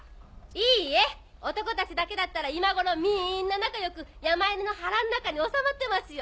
いいえ男たちだけだったら今頃みんな仲よく山犬の腹ん中に収まってますよ。